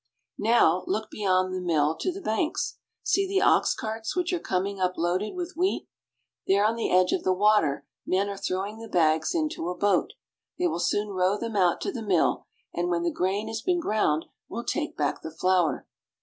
Now look beyond the mill to the banks. See the ox carts which are coming up loaded with wheat. There on the edge of the water men are throwing the bags into a boat ; they will soon row them out to the mill, and when the grain has been ground, will take back the flour.